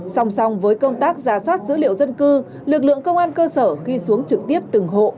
song song với công tác giả soát dữ liệu dân cư lực lượng công an cơ sở khi xuống trực tiếp từng hộ